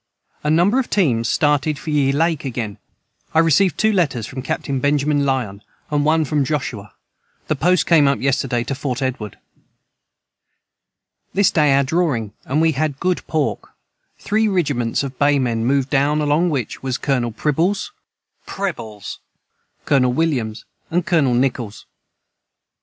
A number of teames started for ye Lake again I received 2 Letters from Capt. Benjamin Lyon & 1 from Joshua the Post came up yesterday to Fort Edward This day our drawing & we had good pork 3 rigiments of Bay men moved down along which was Colonel Pribbels Colonel Williams & Colonel Nichols.